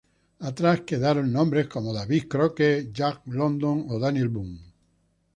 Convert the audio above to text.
Atrás quedaron nombres como David Crockett, Jack London o Daniel Boone.